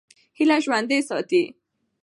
هیله ژوندۍ ساتئ.